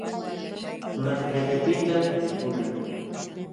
Malkallaapitam likullalqaa.